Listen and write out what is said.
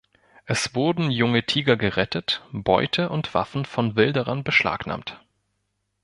Es wurden junge Tiger gerettet, Beute und Waffen von Wilderern beschlagnahmt.